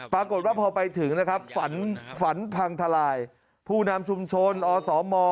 ปรากฏว่าพอไปถึงนะครับฝันฝันพังทลายผู้นำชุมชนอสม